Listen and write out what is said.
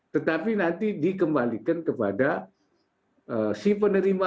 tetapi nanti dikembalikan kepada si penerima